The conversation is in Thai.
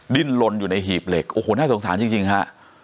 ดิ้นลนอยู่ในหีบเหล็กโอ้โหน่าสงสารจริงฮะ